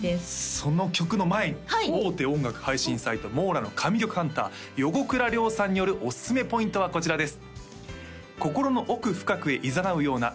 その曲の前に大手音楽配信サイトｍｏｒａの神曲ハンター横倉涼さんによるおすすめポイントはこちらです